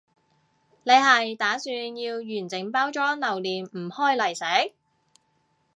你係打算要完整包裝留念唔開嚟食？